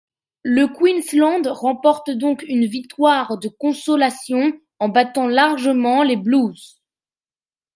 Le Queensland remporte donc une victoire de consolation en battant largement les Blues.